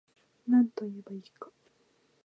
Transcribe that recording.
なんといえば良いか